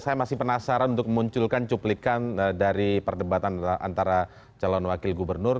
saya masih penasaran untuk memunculkan cuplikan dari perdebatan antara calon wakil gubernur